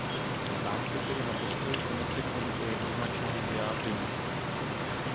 Ptám se tedy na postoj Komise k tomuto jednoznačnému vyjádření.